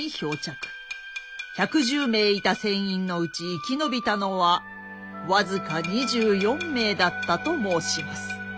１１０名いた船員のうち生き延びたのは僅か２４名だったと申します。